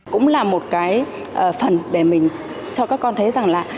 cũng là một cái phần để mình cho các con thấy rằng là